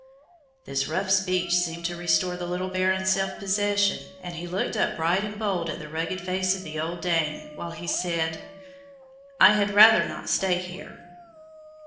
This rough speech seemed to restore the little Baron's self possession, and he looked up bright and bold at the rugged face of the old Dane, while he said, "I had rather not stay here."